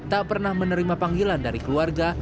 tak pernah menerima panggilan dari keluarga